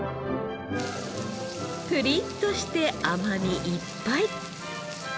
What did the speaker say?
プリッとして甘みいっぱい。